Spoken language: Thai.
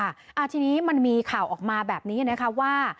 อ่าทีนี้มันมีข่าวออกมาแบบนี้นะคะว่า